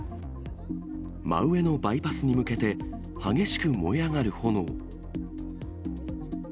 真上のバイパスに向けて、激しく燃え上がる炎。